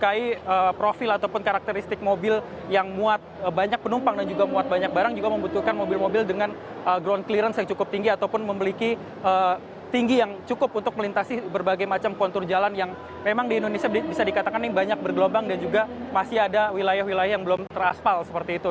dki profil ataupun karakteristik mobil yang muat banyak penumpang dan juga muat banyak barang juga membutuhkan mobil mobil dengan ground clearance yang cukup tinggi ataupun memiliki tinggi yang cukup untuk melintasi berbagai macam kontur jalan yang memang di indonesia bisa dikatakan ini banyak bergelombang dan juga masih ada wilayah wilayah yang belum teraspal seperti itu